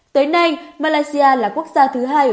tới nay malaysia là quốc gia thứ hai ở đài loan